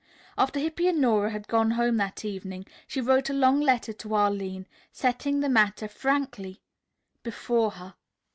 After Hippy and Nora had gone home that evening she wrote a long letter to Arline, setting the matter frankly before her.